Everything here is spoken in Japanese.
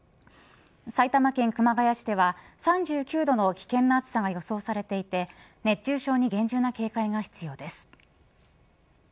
埼玉県熊谷市では３９度の危険な暑さが予想されていて熱中症に厳重な警戒が必要です。